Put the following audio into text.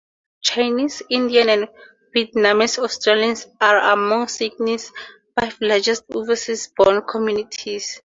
Chinese, Indian and Vietnamese-Australians are among Sydney's five largest overseas-born communities.